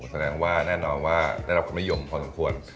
แสดงว่าแน่นอนว่าได้รับความนิยมพอสมควร